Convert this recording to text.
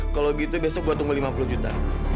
kalau gitu besok gue tunggu lima puluh juta